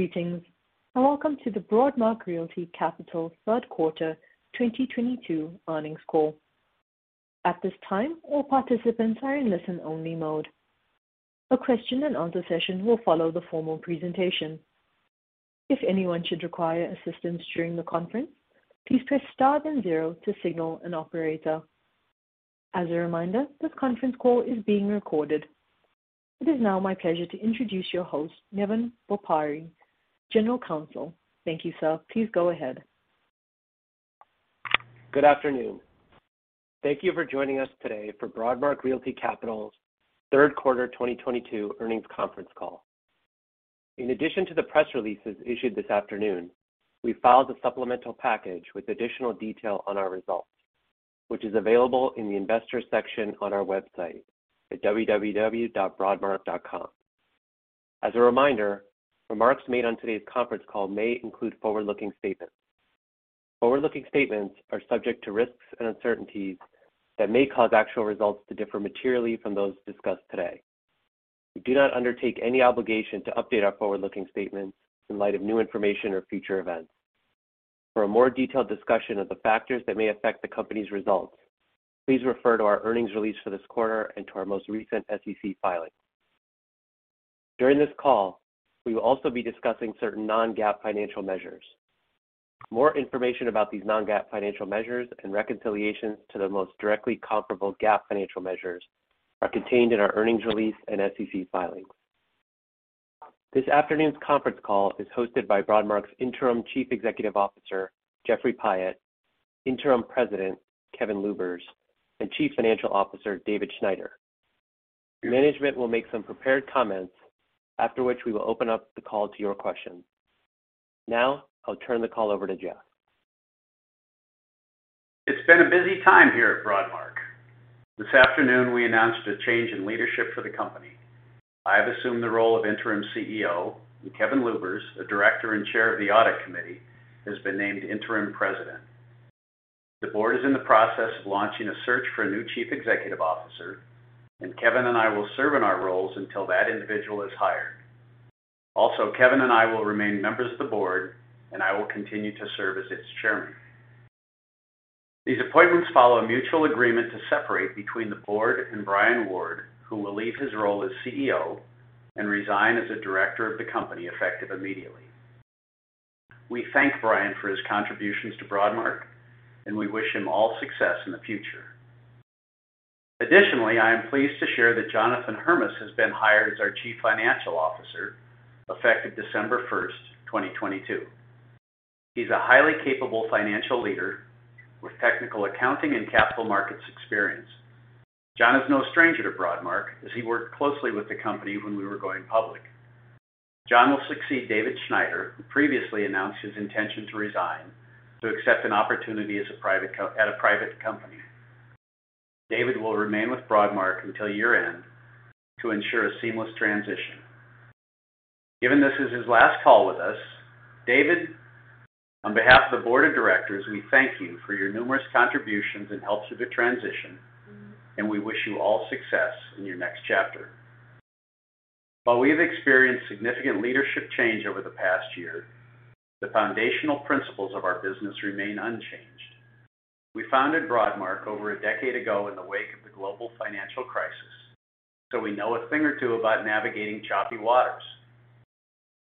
Greetings, and welcome to the Broadmark Realty Capital third quarter 2022 earnings call. At this time, all participants are in listen-only mode. A question and answer session will follow the formal presentation. If anyone should require assistance during the conference, please press star then zero to signal an operator. As a reminder, this conference call is being recorded. It is now my pleasure to introduce your host, Nevin Boparai, General Counsel. Thank you, sir. Please go ahead. Good afternoon. Thank you for joining us today for Broadmark Realty Capital's third quarter 2022 earnings conference call. In addition to the press releases issued this afternoon, we filed a supplemental package with additional detail on our results, which is available in the Investors section on our website at www.broadmark.com. As a reminder, remarks made on today's conference call may include forward-looking statements. Forward-looking statements are subject to risks and uncertainties that may cause actual results to differ materially from those discussed today. We do not undertake any obligation to update our forward-looking statements in light of new information or future events. For a more detailed discussion of the factors that may affect the company's results, please refer to our earnings release for this quarter and to our most recent SEC filing. During this call, we will also be discussing certain non-GAAP financial measures. More information about these non-GAAP financial measures and reconciliations to the most directly comparable GAAP financial measures are contained in our earnings release and SEC filings. This afternoon's conference call is hosted by Broadmark's Interim Chief Executive Officer, Jeffrey Pyatt, Interim President, Kevin Luebbers, and Chief Financial Officer, David Schneider. Management will make some prepared comments, after which we will open up the call to your questions. Now, I'll turn the call over to Jeff. It's been a busy time here at Broadmark. This afternoon, we announced a change in leadership for the company. I have assumed the role of interim CEO, and Kevin Luebbers, a director and chair of the audit committee, has been named interim president. The board is in the process of launching a search for a new chief executive officer, and Kevin and I will serve in our roles until that individual is hired. Also, Kevin and I will remain members of the board, and I will continue to serve as its chairman. These appointments follow a mutual agreement to separate between the board and Brian Ward, who will leave his role as CEO and resign as a director of the company, effective immediately. We thank Brian for his contributions to Broadmark, and we wish him all success in the future. Additionally, I am pleased to share that Jonathan Hermes has been hired as our Chief Financial Officer, effective December 1st, 2022. He's a highly capable financial leader with technical accounting and capital markets experience. John is no stranger to Broadmark, as he worked closely with the company when we were going public. John will succeed David Schneider, who previously announced his intention to resign to accept an opportunity at a private company. David will remain with Broadmark until year-end to ensure a seamless transition. Given this is his last call with us, David, on behalf of the board of directors, we thank you for your numerous contributions and help through the transition, and we wish you all success in your next chapter. While we have experienced significant leadership change over the past year, the foundational principles of our business remain unchanged. We founded Broadmark over a decade ago in the wake of the global financial crisis, so we know a thing or two about navigating choppy waters.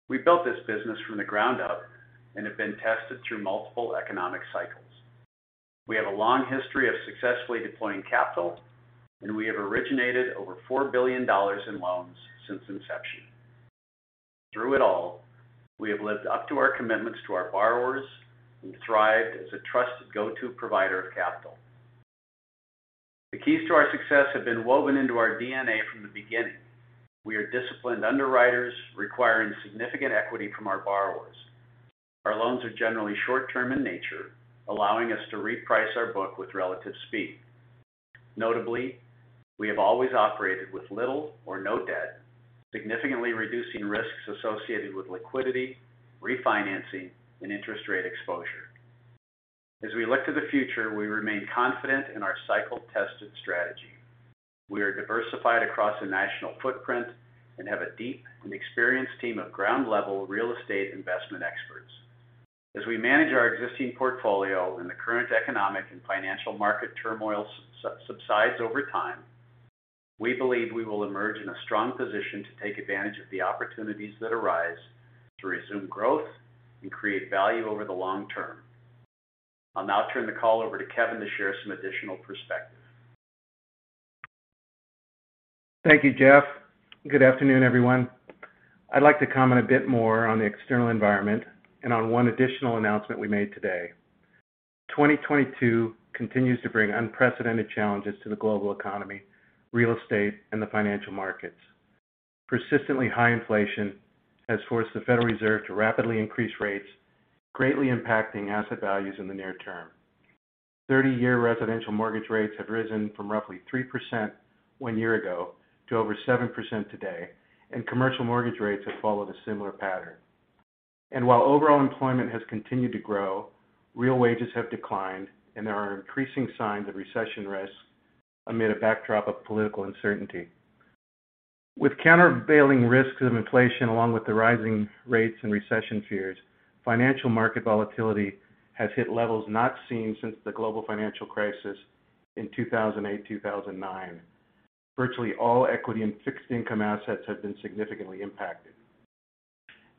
We built this business from the ground up and have been tested through multiple economic cycles. We have a long history of successfully deploying capital, and we have originated over $4 billion in loans since inception. Through it all, we have lived up to our commitments to our borrowers and thrived as a trusted go-to provider of capital. The keys to our success have been woven into our DNA from the beginning. We are disciplined underwriters requiring significant equity from our borrowers. Our loans are generally short-term in nature, allowing us to reprice our book with relative speed. Notably, we have always operated with little or no debt, significantly reducing risks associated with liquidity, refinancing, and interest rate exposure. As we look to the future, we remain confident in our cycle-tested strategy. We are diversified across a national footprint and have a deep and experienced team of ground-level real estate investment experts. As we manage our existing portfolio and the current economic and financial market turmoil subsides over time, we believe we will emerge in a strong position to take advantage of the opportunities that arise to resume growth and create value over the long term. I'll now turn the call over to Kevin to share some additional perspective. Thank you, Jeff. Good afternoon, everyone. I'd like to comment a bit more on the external environment and on one additional announcement we made today. 2022 continues to bring unprecedented challenges to the global economy, real estate, and the financial markets. Persistently high inflation has forced the Federal Reserve to rapidly increase rates, greatly impacting asset values in the near term. 30-year residential mortgage rates have risen from roughly 3% one year ago to over 7% today, and commercial mortgage rates have followed a similar pattern. While overall employment has continued to grow, real wages have declined, and there are increasing signs of recession risk amid a backdrop of political uncertainty. With countervailing risks of inflation, along with the rising rates and recession fears, financial market volatility has hit levels not seen since the global financial crisis in 2008, 2009. Virtually all equity and fixed income assets have been significantly impacted.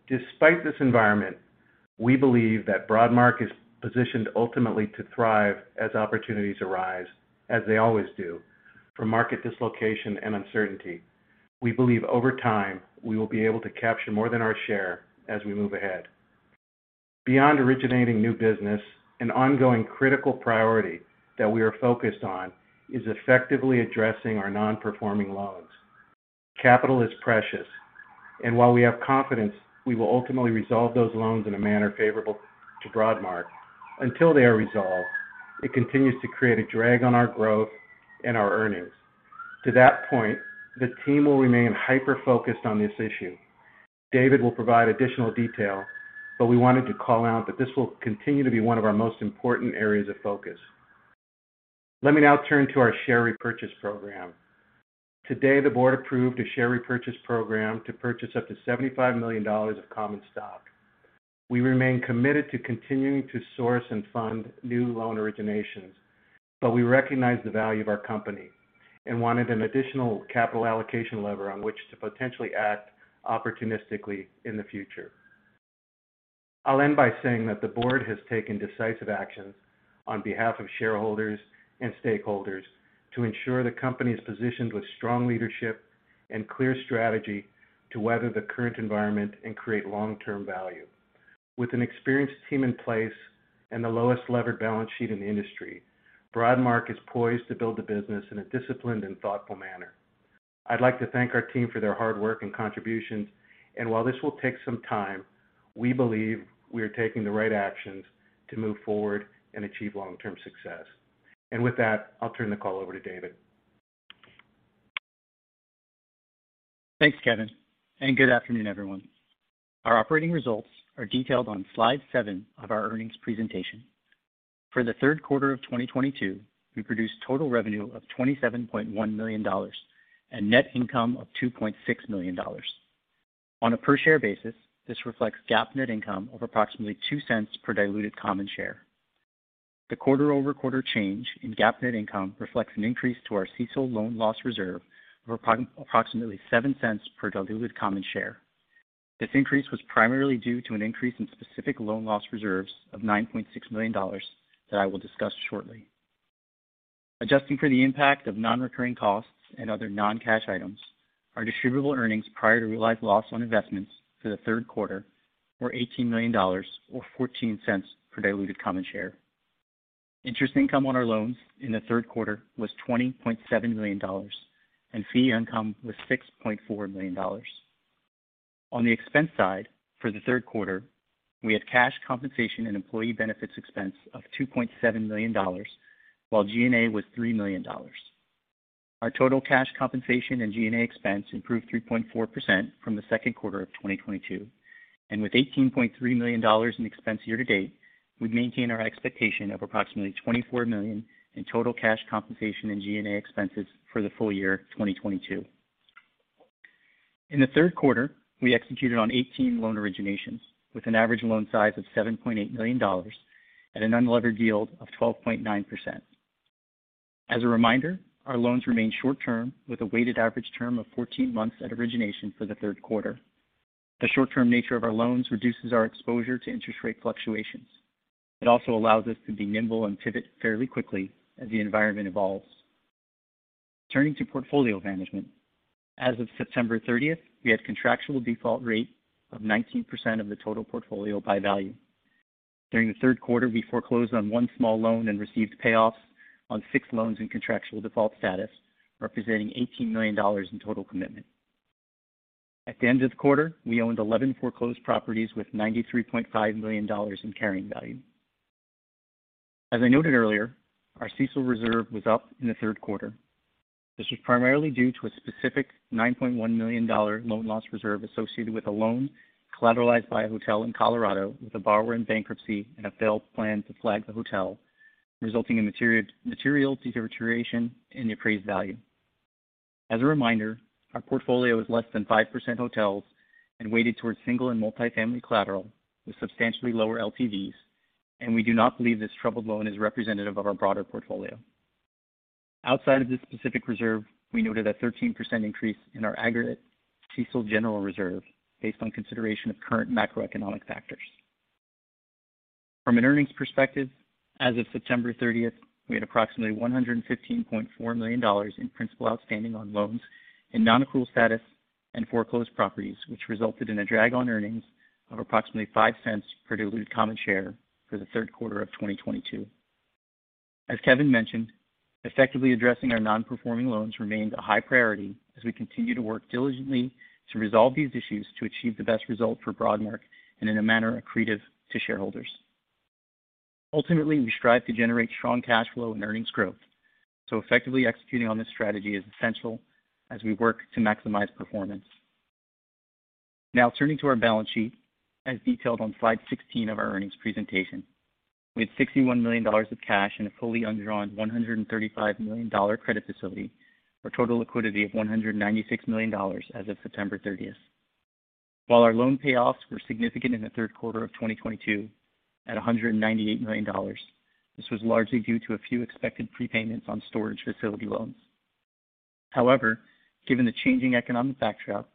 Despite this environment, we believe that Broadmark is positioned ultimately to thrive as opportunities arise, as they always do, for market dislocation and uncertainty. We believe over time, we will be able to capture more than our share as we move ahead. Beyond originating new business, an ongoing critical priority that we are focused on is effectively addressing our non-performing loans. Capital is precious, and while we have confidence we will ultimately resolve those loans in a manner favorable to Broadmark, until they are resolved, it continues to create a drag on our growth and our earnings. To that point, the team will remain hyper-focused on this issue. David will provide additional detail, but we wanted to call out that this will continue to be one of our most important areas of focus. Let me now turn to our share repurchase program. Today, the board approved a share repurchase program to purchase up to $75 million of common stock. We remain committed to continuing to source and fund new loan originations, but we recognize the value of our company and wanted an additional capital allocation lever on which to potentially act opportunistically in the future. I'll end by saying that the board has taken decisive actions on behalf of shareholders and stakeholders to ensure the company is positioned with strong leadership and clear strategy to weather the current environment and create long-term value. With an experienced team in place and the lowest levered balance sheet in the industry, Broadmark is poised to build the business in a disciplined and thoughtful manner. I'd like to thank our team for their hard work and contributions, and while this will take some time, we believe we are taking the right actions to move forward and achieve long-term success. With that, I'll turn the call over to David. Thanks, Kevin, and good afternoon, everyone. Our operating results are detailed on slide seven of our earnings presentation. For the third quarter of 2022, we produced total revenue of $27.1 million and net income of $2.6 million. On a per-share basis, this reflects GAAP net income of approximately $0.02 per diluted common share. The quarter-over-quarter change in GAAP net income reflects an increase to our CECL loan loss reserve of approximately $0.07 per diluted common share. This increase was primarily due to an increase in specific loan loss reserves of $9.6 million that I will discuss shortly. Adjusting for the impact of non-recurring costs and other non-cash items, our distributable earnings prior to realized loss on investments for the third quarter were $18 million or $0.14 per diluted common share. Interest income on our loans in the third quarter was $20.7 million and fee income was $6.4 million. On the expense side, for the third quarter, we had cash compensation and employee benefits expense of $2.7 million, while G&A was $3 million. Our total cash compensation and G&A expense improved 3.4% from the second quarter of 2022. With $18.3 million in expense year-to-date, we maintain our expectation of approximately $24 million in total cash compensation and G&A expenses for the full year 2022. In the third quarter, we executed on 18 loan originations with an average loan size of $7.8 million at an unlevered yield of 12.9%. As a reminder, our loans remain short-term with a weighted average term of 14 months at origination for the third quarter. The short-term nature of our loans reduces our exposure to interest rate fluctuations. It also allows us to be nimble and pivot fairly quickly as the environment evolves. Turning to portfolio management, as of September 30th, we had contractual default rate of 19% of the total portfolio by value. During the third quarter, we foreclosed on one small loan and received payoffs on six loans in contractual default status, representing $18 million in total commitment. At the end of the quarter, we owned 11 foreclosed properties with $93.5 million in carrying value. As I noted earlier, our CECL reserve was up in the third quarter. This was primarily due to a specific $9.1 million loan loss reserve associated with a loan collateralized by a hotel in Colorado with a borrower in bankruptcy and a failed plan to flag the hotel, resulting in material deterioration in the appraised value. As a reminder, our portfolio is less than 5% hotels and weighted towards single and multifamily collateral with substantially lower LTVs, and we do not believe this troubled loan is representative of our broader portfolio. Outside of this specific reserve, we noted a 13% increase in our aggregate CECL general reserve based on consideration of current macroeconomic factors. From an earnings perspective, as of September 30th, we had approximately $115.4 million in principal outstanding on loans in non-accrual status and foreclosed properties, which resulted in a drag on earnings of approximately $0.05 per diluted common share for the third quarter of 2022. As Kevin mentioned, effectively addressing our non-performing loans remains a high priority as we continue to work diligently to resolve these issues to achieve the best result for Broadmark and in a manner accretive to shareholders. Ultimately, we strive to generate strong cash flow and earnings growth, so effectively executing on this strategy is essential as we work to maximize performance. Now turning to our balance sheet as detailed on slide 16 of our earnings presentation. We had $61 million of cash in a fully undrawn $135 million credit facility for total liquidity of $196 million as of September 30th. While our loan payoffs were significant in the third quarter of 2022 at $198 million, this was largely due to a few expected prepayments on storage facility loans. However, given the changing economic backdrop,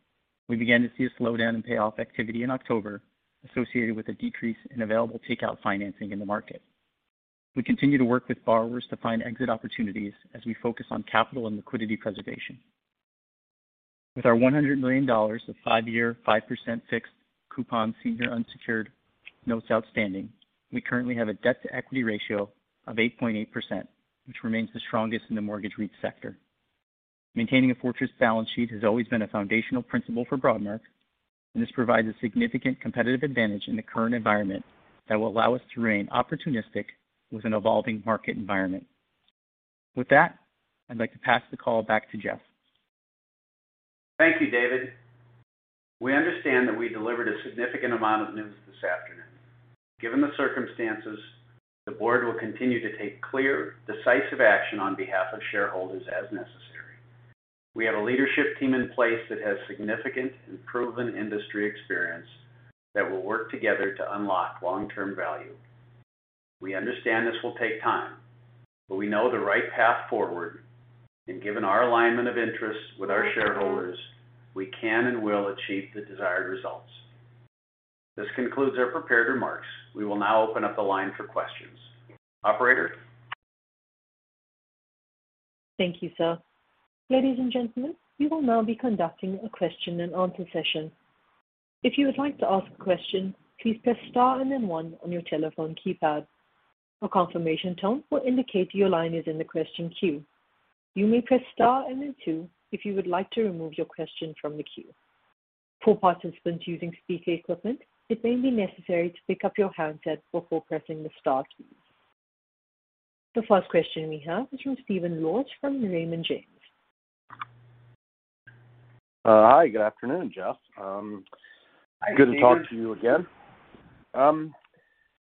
we began to see a slowdown in payoff activity in October associated with a decrease in available takeout financing in the market. We continue to work with borrowers to find exit opportunities as we focus on capital and liquidity preservation. With our $100 million of five-year, 5% fixed coupon senior unsecured notes outstanding, we currently have a debt to equity ratio of 8.8%, which remains the strongest in the mortgage REIT sector. Maintaining a fortress balance sheet has always been a foundational principle for Broadmark, and this provides a significant competitive advantage in the current environment that will allow us to remain opportunistic with an evolving market environment. With that, I'd like to pass the call back to Jeff. Thank you, David. We understand that we delivered a significant amount of news this afternoon. Given the circumstances, the board will continue to take clear, decisive action on behalf of shareholders as necessary. We have a leadership team in place that has significant and proven industry experience that will work together to unlock long-term value. We understand this will take time, but we know the right path forward, and given our alignment of interests with our shareholders, we can and will achieve the desired results. This concludes our prepared remarks. We will now open up the line for questions. Operator? Thank you, sir. Ladies and gentlemen, we will now be conducting a question and answer session. If you would like to ask a question, please press star and then one on your telephone keypad. A confirmation tone will indicate your line is in the question queue. You may press star and then two if you would like to remove your question from the queue. For participants using speaker equipment, it may be necessary to pick up your handset before pressing the star keys. The first question we have is from Stephen Laws from Raymond James. Hi, good afternoon, Jeff. Hi, Stephen. Good to talk to you again.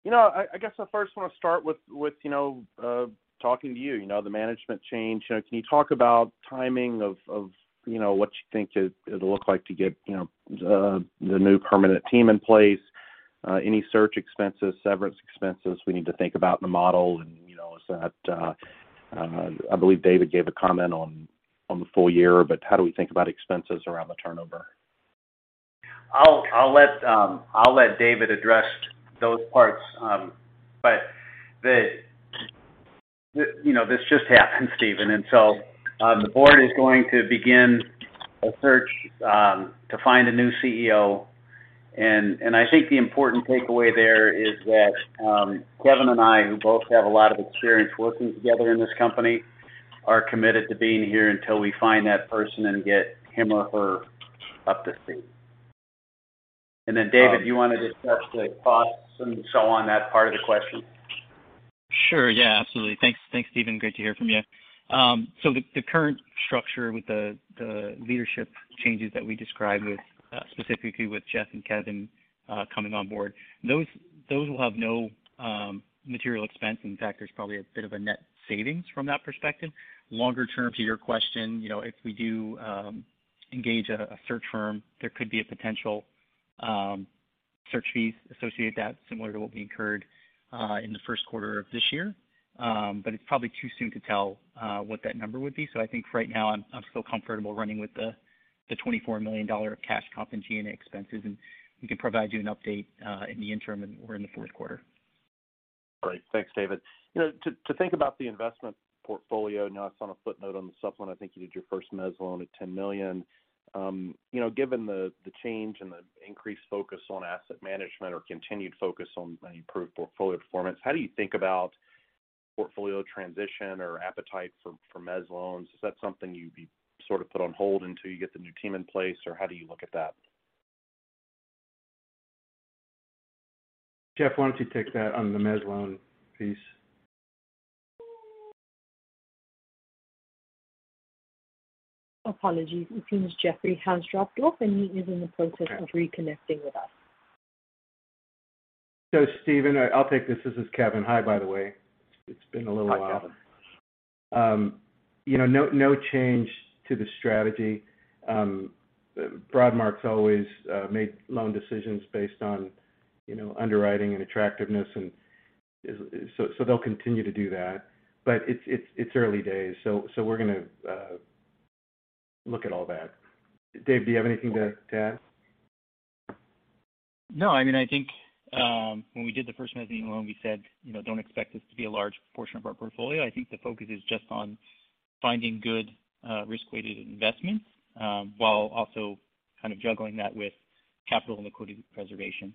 You know, I guess I first want to start with you know, talking to you know, the management change. You know, can you talk about timing of, you know, what you think it'll look like to get, you know, the new permanent team in place, any search expenses, severance expenses we need to think about in the model? You know, is that, I believe David gave a comment on the full year, but how do we think about expenses around the turnover? I'll let David address those parts. But you know this just happened, Stephen. And so, the board is going to begin a search to find a new CEO, and I think the important takeaway there is that Kevin and I, who both have a lot of experience working together in this company, are committed to being here until we find that person and get him or her up to speed. Then David, do you want to discuss the costs and so on that part of the question? Sure. Yeah, absolutely. Thanks, Stephen. Great to hear from you. The current structure with the leadership changes that we described with specifically with Jeff and Kevin coming on board, those will have no material expense. In fact, there's probably a bit of a net savings from that perspective. Longer term to your question, you know, if we do engage a search firm, there could be a potential search fees associated with that, similar to what we incurred in the first quarter of this year. It's probably too soon to tell what that number would be. I think right now I'm still comfortable running with the $24 million of cash comp and G&A expenses, and we can provide you an update in the interim or in the fourth quarter. Great. Thanks, David. You know, to think about the investment portfolio, now it's on a footnote on the supplement. I think you did your first mezz loan at $10 million. You know, given the change and the increased focus on asset management or continued focus on any improved portfolio performance, how do you think about portfolio transition or appetite for mezz loans? Is that something you'd be sort of put on hold until you get the new team in place, or how do you look at that? Jeff, why don't you take that on the mezz loan, please? Apologies. It seems Jeffrey has dropped off, and he is in the process of reconnecting with us. Stephen, I'll take this. This is Kevin. Hi, by the way. It's been a little while. Hi, Kevin. You know, no change to the strategy. Broadmark's always made loan decisions based on you know underwriting and attractiveness. They'll continue to do that. It's early days, so we're gonna look at all that. Dave, do you have anything to add? No. I mean, I think, when we did the first mezzanine loan, we said, you know, don't expect this to be a large portion of our portfolio. I think the focus is just on finding good, risk-weighted investment, while also kind of juggling that with capital and liquidity preservation.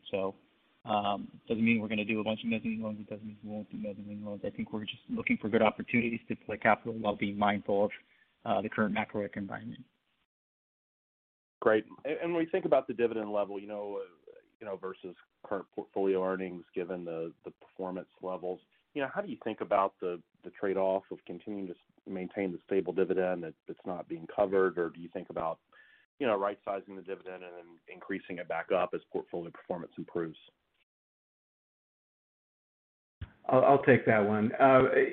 Doesn't mean we're gonna do a bunch of mezzanine loans. It doesn't mean we won't do mezzanine loans. I think we're just looking for good opportunities to deploy capital while being mindful of the current macro environment. Great. When we think about the dividend level, you know, versus current portfolio earnings given the performance levels. You know, how do you think about the trade-off of continuing to maintain the stable dividend that it's not being covered? Or do you think about, you know, rightsizing the dividend and then increasing it back up as portfolio performance improves? I'll take that one.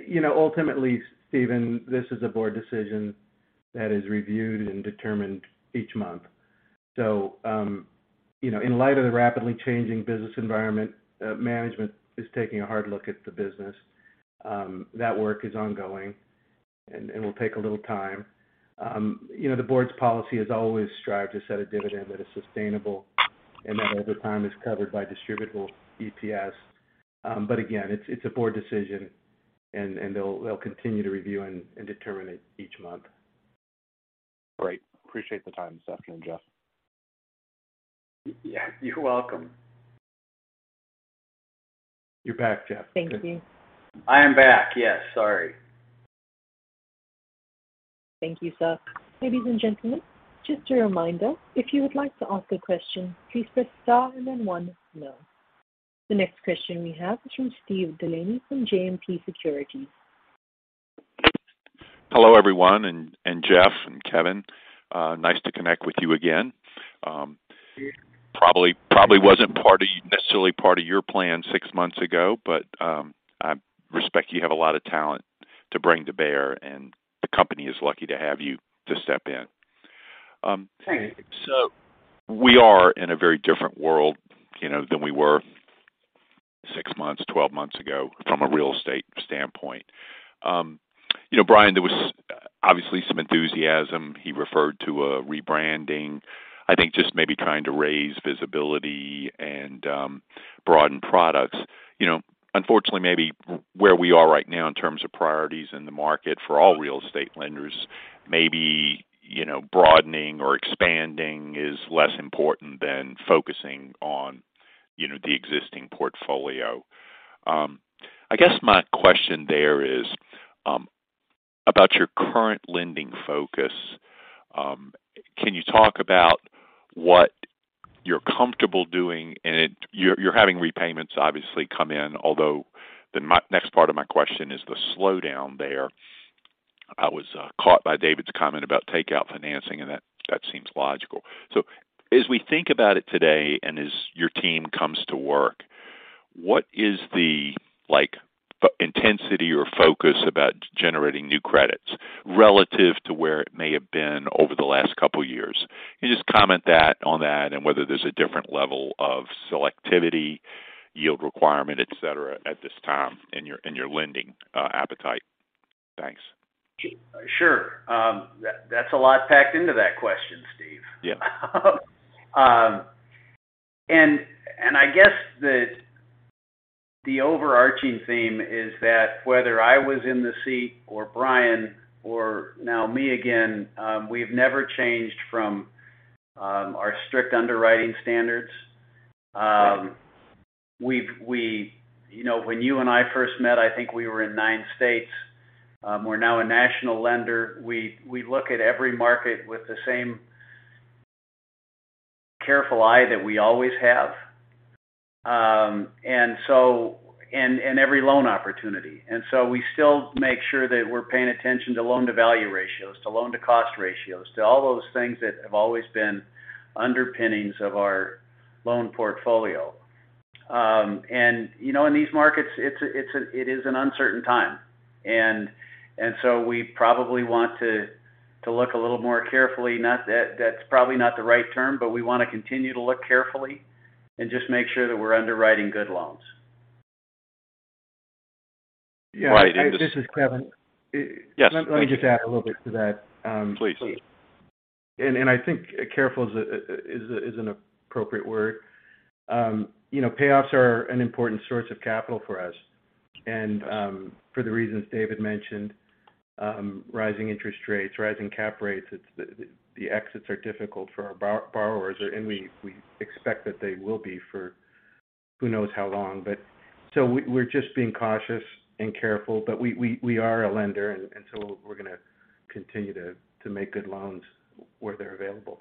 You know, ultimately, Stephen, this is a board decision that is reviewed and determined each month. You know, in light of the rapidly changing business environment, management is taking a hard look at the business. That work is ongoing and will take a little time. You know, the board's policy has always strived to set a dividend that is sustainable and that over time is covered by distributable EPS. Again, it's a board decision, and they'll continue to review and determine it each month. Great. Appreciate the time this afternoon, Jeff. Yeah. You're welcome. You're back, Jeff. Thank you. I am back. Yes. Sorry. Thank you, Sir. Ladies and gentlemen, just a reminder, if you would like to ask a question, please press star and then one now. The next question we have is from Steve Delaney from JMP Securities. Hello, everyone, and Jeff and Kevin. Nice to connect with you again. Probably wasn't necessarily part of your plan six months ago, but I respect you have a lot of talent to bring to bear, and the company is lucky to have you to step in. We are in a very different world, you know, than we were six months, 12 months ago from a real estate standpoint. You know, Brian, there was obviously some enthusiasm. He referred to a rebranding, I think just maybe trying to raise visibility and broaden products. You know, unfortunately, maybe where we are right now in terms of priorities in the market for all real estate lenders, maybe, you know, broadening or expanding is less important than focusing on, you know, the existing portfolio. I guess my question there is about your current lending focus. Can you talk about what you're comfortable doing? You're having repayments obviously come in. Although my next part of my question is the slowdown there. I was caught by David's comment about takeout financing, and that seems logical. As we think about it today and as your team comes to work, what is the like intensity or focus about generating new credits relative to where it may have been over the last couple years? Can you just comment on that and whether there's a different level of selectivity, yield requirement, et cetera, at this time in your lending appetite? Thanks. Sure. That's a lot packed into that question, Steve. Yeah. I guess the overarching theme is that whether I was in the seat or Brian or now me again, we've never changed from our strict underwriting standards. You know, when you and I first met, I think we were in nine states. We're now a national lender. We look at every market with the same careful eye that we always have and every loan opportunity. We still make sure that we're paying attention to loan-to-value ratios, to loan-to-cost ratios, to all those things that have always been underpinnings of our loan portfolio. You know, in these markets, it is an uncertain time. We probably want to look a little more carefully. That's probably not the right term, but we want to continue to look carefully and just make sure that we're underwriting good loans. Right. Yeah. This is Kevin. Yes. Let me just add a little bit to that. Please. I think careful is an appropriate word. You know, payoffs are an important source of capital for us. For the reasons David mentioned, rising interest rates, rising cap rates, it's the exits are difficult for our borrowers, and we expect that they will be for who knows how long. We're just being cautious and careful, but we are a lender, and so we're going to continue to make good loans where they're available.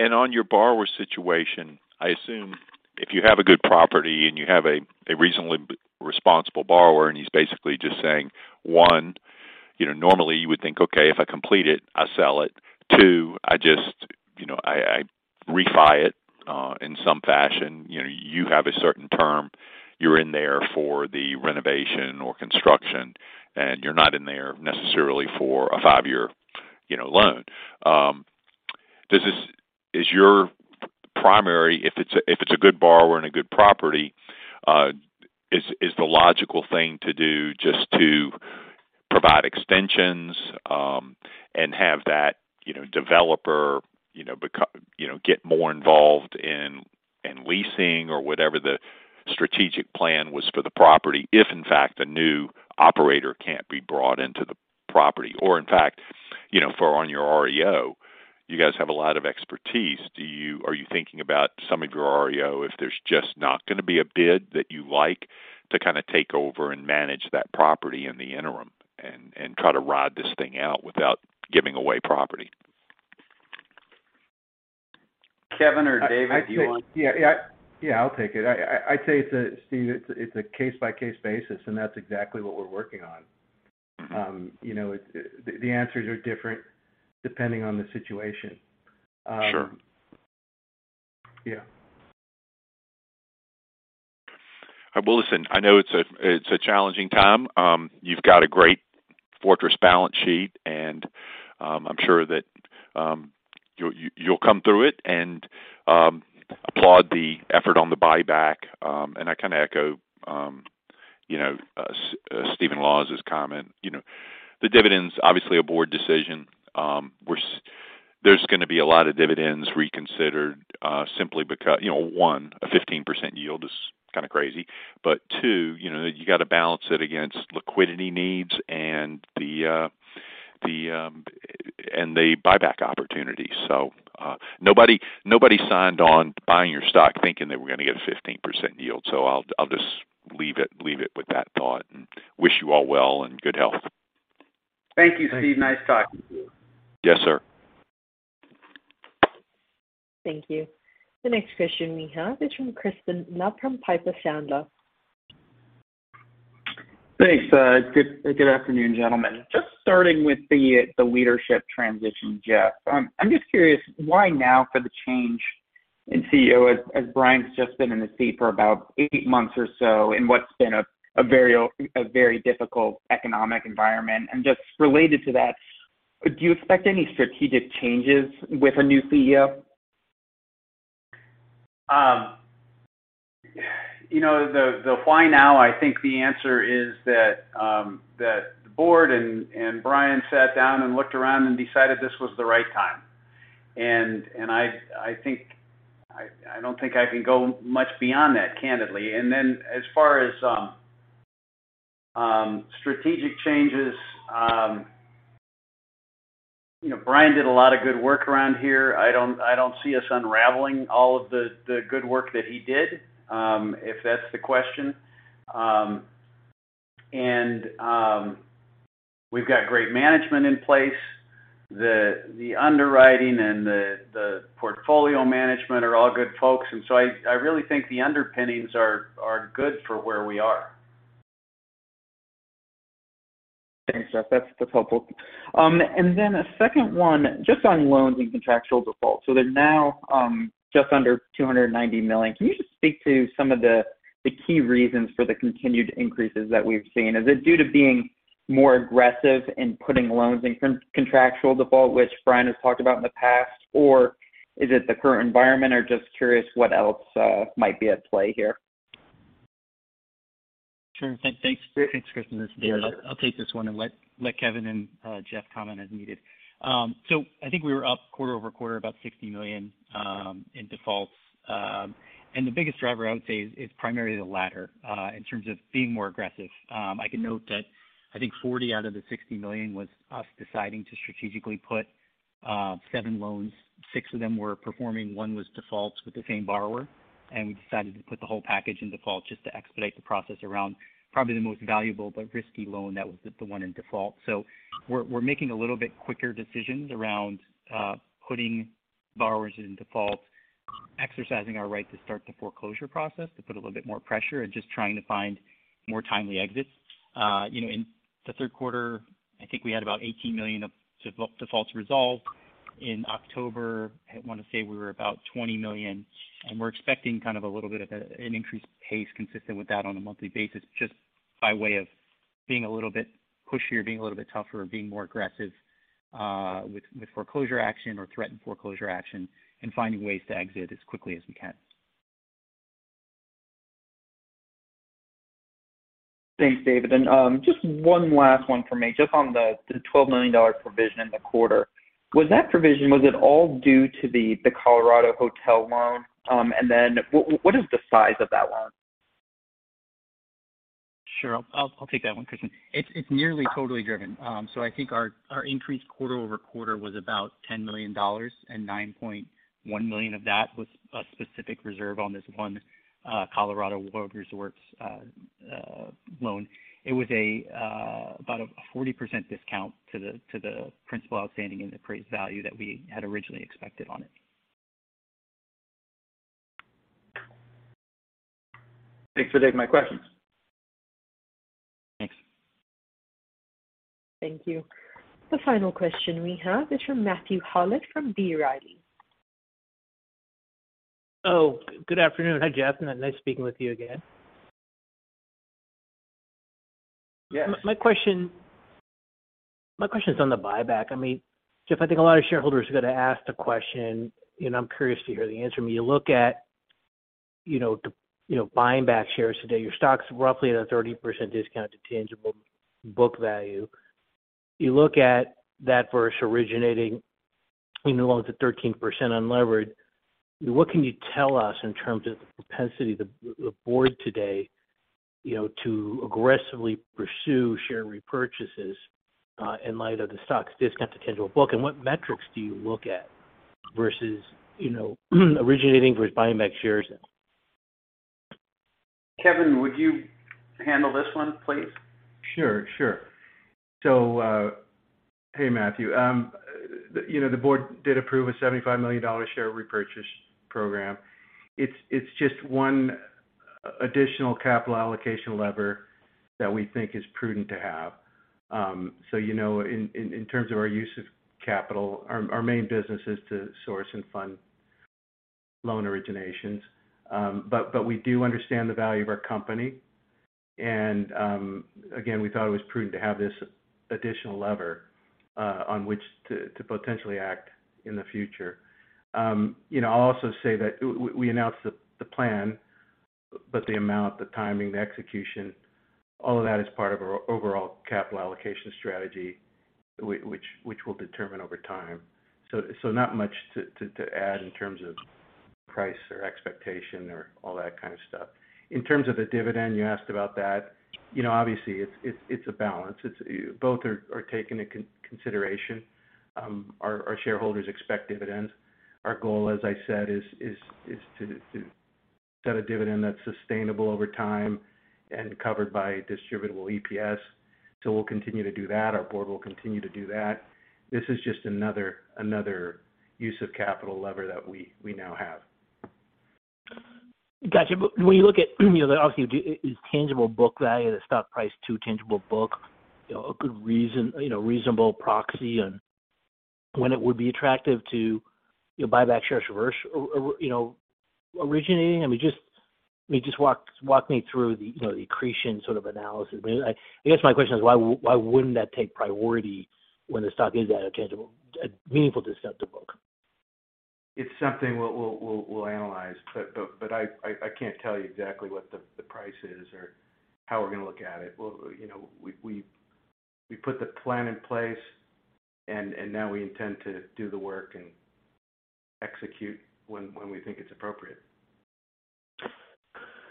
On your borrower situation, I assume if you have a good property and you have a reasonably responsible borrower and he's basically just saying, one, you know, normally you would think, okay, if I complete it, I sell it. Two, I just, you know, I refi it in some fashion. You know, you have a certain term. You're in there for the renovation or construction, and you're not in there necessarily for a five-year, you know, loan. If it's a good borrower and a good property, is the logical thing to do just to provide extensions and have that developer get more involved in leasing or whatever the strategic plan was for the property, if in fact a new operator can't be brought into the property? In fact, you know, focusing on your REO, you guys have a lot of expertise. Are you thinking about some of your REO, if there's just not going to be a bid that you like to kind of take over and manage that property in the interim and try to ride this thing out without giving away property? Kevin or David, do you want? Yeah, I'll take it. I'd say, Steve, it's a case-by-case basis, and that's exactly what we're working on. You know, the answers are different depending on the situation. Sure. Yeah. Well, listen, I know it's a challenging time. You've got a great fortress balance sheet, and I'm sure that you will come through it, and applaud the effort on the buyback. And I kinda echo you know Stephen Laws' comment. You know, the dividend's obviously a board decision. There's gonna be a lot of dividends reconsidered simply because, you know, one, a 15% yield is kinda crazy. Two, you know, you gotta balance it against liquidity needs and the buyback opportunity. Nobody signed on to buying your stock thinking they were gonna get a 15% yield. I'll just leave it with that thought and wish you all well and good health. Thank you, Steve. Nice talking to you. Yes, sir. Thank you. The next question we have is from Crispin Love from Piper Sandler. Thanks. Good afternoon, gentlemen. Just starting with the leadership transition, Jeff. I'm just curious why now for the change in CEO as Brian's just been in the seat for about eight months or so in what's been a very difficult economic environment? And just related to that, do you expect any strategic changes with a new CEO? You know, the why now, I think the answer is that the board and Brian sat down and looked around and decided this was the right time. I don't think I can go much beyond that, candidly. Then as far as strategic changes, you know, Brian did a lot of good work around here. I don't see us unraveling all of the good work that he did, if that's the question. We've got great management in place. The underwriting and the portfolio management are all good folks. I really think the underpinnings are good for where we are. Thanks, Jeff. That's helpful. A second one just on loans and contractual defaults. They're now just under $290 million. Can you just speak to some of the key reasons for the continued increases that we've seen? Is it due to being more aggressive in putting loans in contractual default, which Brian has talked about in the past? Is it the current environment? Just curious what else might be at play here. Sure. Thanks, Crispin. This is David. I'll take this one and let Kevin and Jeff comment as needed. I think we were up quarter-over-quarter about $60 million in defaults. The biggest driver, I would say, is primarily the latter in terms of being more aggressive. I can note that I think $40 out of the $60 million was us deciding to strategically put seven loans. Six of them were performing, one was in default with the same borrower, and we decided to put the whole package in default just to expedite the process around probably the most valuable but risky loan that was the one in default. We're making a little bit quicker decisions around putting borrowers in default, exercising our right to start the foreclosure process, to put a little bit more pressure and just trying to find more timely exits. You know, in the third quarter, I think we had about $18 million of defaults resolved. In October, I wanna say we were about $20 million. We're expecting kind of a little bit of an increased pace consistent with that on a monthly basis, just by way of being a little bit pushier, being a little bit tougher, being more aggressive with foreclosure action or threatened foreclosure action and finding ways to exit as quickly as we can. Thanks, David. Just one last one for me, just on the $12 million provision in the quarter. Was that provision all due to the Colorado Hotel loan? What is the size of that loan? Sure. I'll take that one, Crispin. It's nearly totally driven. I think our increase quarter-over-quarter was about $10 million, and $9.1 million of that was a specific reserve on this one, Colorado World Resorts, loan. It was about a 40% discount to the principal outstanding and appraised value that we had originally expected on it. Thanks for taking my questions. Thanks. Thank you. The final question we have is from Matthew Howlett from B. Riley. Oh, good afternoon. Hi, Jeff. Nice speaking with you again. Yes. My question is on the buyback. I mean, Jeff, I think a lot of shareholders are gonna ask the question, and I'm curious to hear the answer. When you look at buying back shares today, your stock's roughly at a 30% discount to tangible book value. You look at that versus originating new loans at 13% unlevered. What can you tell us in terms of the propensity of the board today, you know, to aggressively pursue share repurchases in light of the stock's discount to tangible book? What metrics do you look at versus, you know, originating versus buying back shares? Kevin, would you handle this one, please? Sure. Hey, Matthew. You know, the board did approve a $75 million share repurchase program. It's just one additional capital allocation lever that we think is prudent to have. You know, in terms of our use of capital, our main business is to source and fund loan originations. We do understand the value of our company. Again, we thought it was prudent to have this additional lever on which to potentially act in the future. You know, I'll also say that we announced the plan, but the amount, the timing, the execution, all of that is part of our overall capital allocation strategy, which we'll determine over time. Not much to add in terms of price or expectation or all that kind of stuff. In terms of the dividend you asked about that, you know, obviously it's a balance. It's both are taken into consideration. Our shareholders expect dividends. Our goal, as I said, is to set a dividend that's sustainable over time and covered by distributable EPS. We'll continue to do that. Our board will continue to do that. This is just another use of capital lever that we now have. Got you. When you look at, you know, obviously the tangible book value, the stock price to tangible book, you know, a good, reasonable proxy on when it would be attractive to, you know, buy back shares versus re-originating. I mean, just walk me through the, you know, the accretion sort of analysis. I mean, I guess my question is, why wouldn't that take priority when the stock is at a meaningful discount to book? It's something we'll analyze. I can't tell you exactly what the price is or how we're gonna look at it. We'll, you know, we put the plan in place and now we intend to do the work and execute when we think it's appropriate.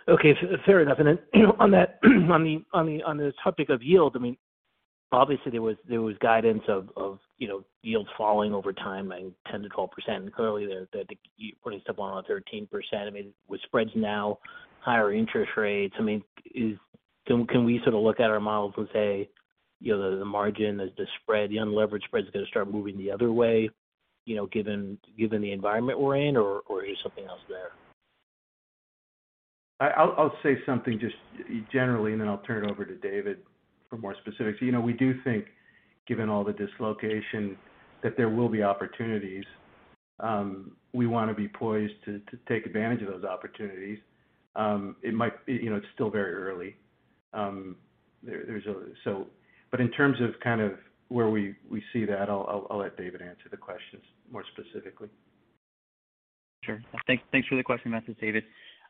Okay. Fair enough. On that, on the topic of yield, I mean, obviously there was guidance of you know yields falling over time by 10%-12%. Clearly, you're putting stuff on 13%. I mean, with spreads now, higher interest rates. I mean, can we sort of look at our models and say, you know, the margin, the spread, the unlevered spread is gonna start moving the other way, you know, given the environment we're in, or is there something else there? I'll say something just generally, and then I'll turn it over to David for more specifics. You know, we do think, given all the dislocation, that there will be opportunities. We wanna be poised to take advantage of those opportunities. It might be, you know, it's still very early. In terms of kind of where we see that, I'll let David answer the questions more specifically. Sure. Thanks for the question, Matthew. David.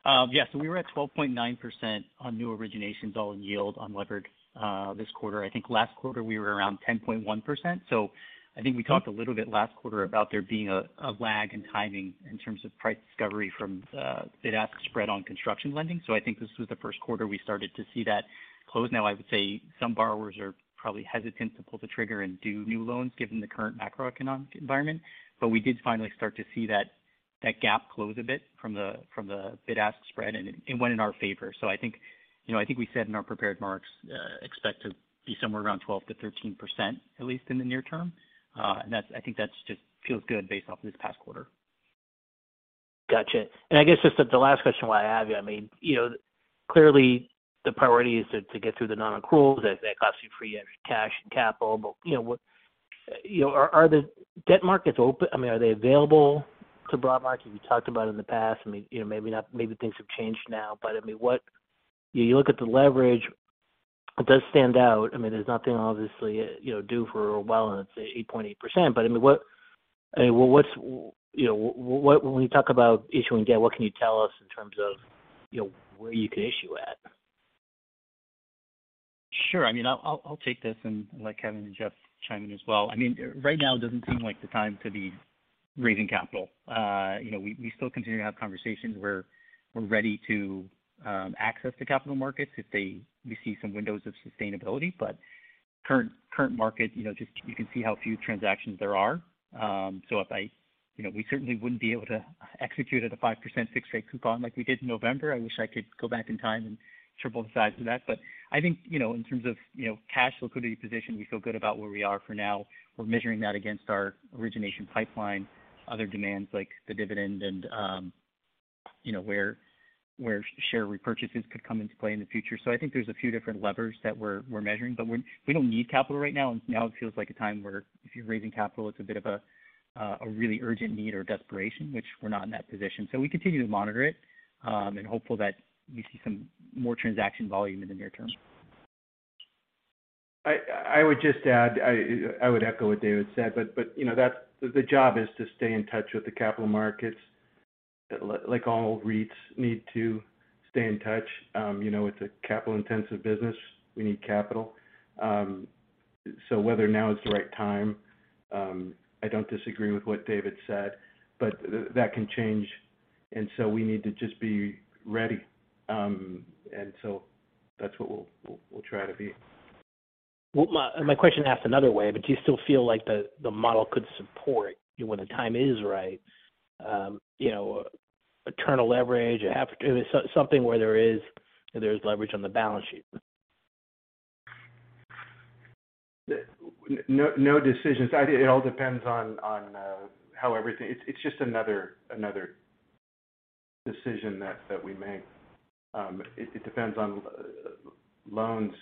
Yeah. We were at 12.9% on new originations, all in yield on levered this quarter. I think last quarter we were around 10.1%. I think we talked a little bit last quarter about there being a lag in timing in terms of price discovery from the bid-ask spread on construction lending. I think this was the first quarter we started to see that close. Now, I would say some borrowers are probably hesitant to pull the trigger and do new loans given the current macroeconomic environment. We did finally start to see that gap close a bit from the bid-ask spread, and it went in our favor. I think, you know, I think we said in our prepared remarks, expect to be somewhere around 12%-13% at least in the near term. I think that's just feels good based off this past quarter. Gotcha. I guess just the last question while I have you. I mean, you know, clearly the priority is to get through the non-accruals as they, to free up extra cash and capital. You know, what? You know, are the debt markets open? I mean, are they available to Broadmark? You talked about in the past, I mean, you know, maybe not, maybe things have changed now. I mean, you look at the leverage, it does stand out. I mean, there's nothing obviously, you know, due for a while, and it's 8.8%. I mean, what when you talk about issuing debt, what can you tell us in terms of, you know, where you could issue at? Sure. I mean, I'll take this and let Kevin and Jeff chime in as well. I mean, right now it doesn't seem like the time to be raising capital. You know, we still continue to have conversations where we're ready to access the capital markets if we see some windows of sustainability. Current market, you know, just you can see how few transactions there are. You know, we certainly wouldn't be able to execute at a 5% fixed rate coupon like we did in November. I wish I could go back in time and triple the size of that. I think, you know, in terms of, you know, cash liquidity position, we feel good about where we are for now. We're measuring that against our origination pipeline, other demands like the dividend and, you know, where share repurchases could come into play in the future. I think there's a few different levers that we're measuring, but we don't need capital right now. Now it feels like a time where if you're raising capital, it's a bit of a really urgent need or desperation, which we're not in that position. We continue to monitor it, and hopeful that we see some more transaction volume in the near term. I would just add. I would echo what David said, but you know, that's the job is to stay in touch with the capital markets like all REITs need to stay in touch. You know, it's a capital-intensive business. We need capital. Whether now is the right time, I don't disagree with what David said, but that can change, and so we need to just be ready. That's what we'll try to be. Well, my question asked another way, but do you still feel like the model could support when the time is right, you know, internal leverage or something where there is leverage on the balance sheet? No decisions. I think it all depends on how everything. It's just another decision that we make. It depends on loans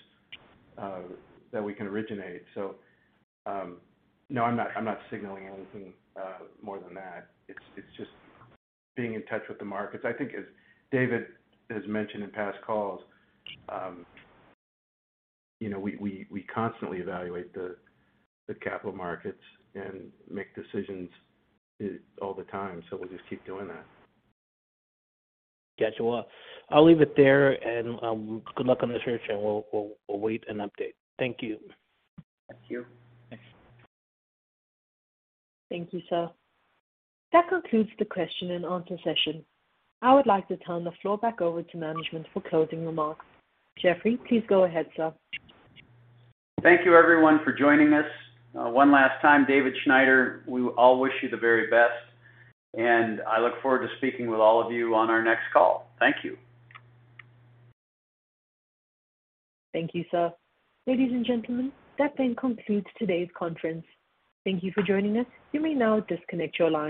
that we can originate. No, I'm not signaling anything more than that. It's just being in touch with the markets. I think as David has mentioned in past calls, you know, we constantly evaluate the capital markets and make decisions all the time. We'll just keep doing that. Got you. I'll leave it there and, good luck on the search, and we'll await an update. Thank you. Thank you. Thanks. Thank you, sir. That concludes the question and answer session. I would like to turn the floor back over to management for closing remarks. Jeffrey, please go ahead, sir. Thank you everyone for joining us. One last time, David Schneider, we all wish you the very best, and I look forward to speaking with all of you on our next call. Thank you. Thank you, sir. Ladies and gentlemen, that then concludes today's conference. Thank you for joining us. You may now disconnect your lines.